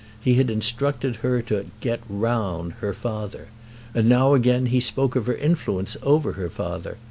He had instructed her to "get round" her father. And now again he spoke of her influence over her father.